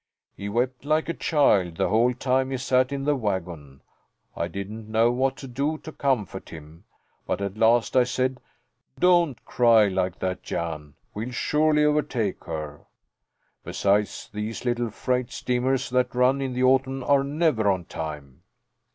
"He wept like a child the whole time he sat in the wagon. I didn't know what to do to comfort him, but at last I said, 'Don't cry like that, Jan! We'll surely overtake her. Besides, these little freight steamers that run in the autumn are never on time.'